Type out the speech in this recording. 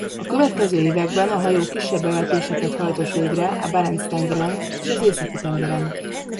A következő években a hajó kisebb bevetéseket hajtott végre a Barents-tengeren és az Északi-tengeren.